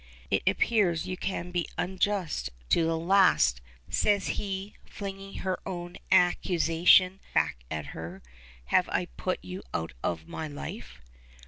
"It appears you can be unjust to the last," says he, flinging her own accusation back at her. "Have I put you out of my life?"